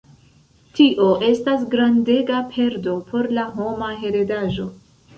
Tio estas grandega perdo por la homa heredaĵo.